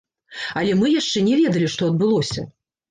Але мы яшчэ не ведалі, што адбылося.